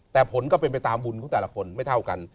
แต่ผลก็เป็นไปตามบุญของแต่ละคนไม่เท่ากัน